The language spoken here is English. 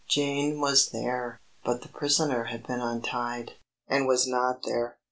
Jane was there; but the prisoner had been untied, and was not there.